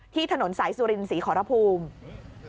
ถนนสายสุรินศรีขอรภูมิ